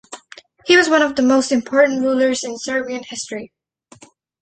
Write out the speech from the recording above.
He was one of the most important rulers in Serbian history.